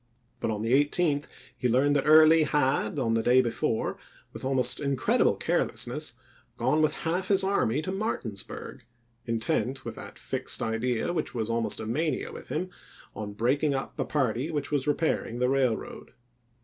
1 But on the 18th he learned that Early had, on the day before, with almost incredible carelessness, gone with half his army to Martinsburg, intent, with that fixed idea which was almost a mania with him, on breaking up a party which was repairing the railroad.